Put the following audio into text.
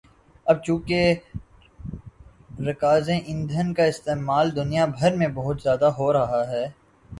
اب چونکہ رکاز ایندھن کا استعمال دنیا بھر میں بہت زیادہ ہورہا ہے